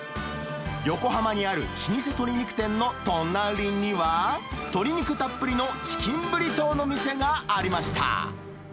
横浜にある老舗鶏肉店の隣には、鶏肉たっぷりのチキンブリトーの店がありました。